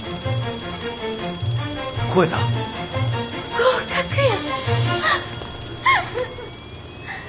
合格や。